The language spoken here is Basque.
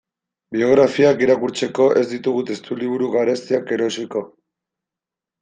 Biografiak irakurtzeko ez ditugu testuliburu garestiak erosiko.